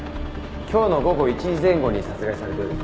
今日の午後１時前後に殺害されたようですね。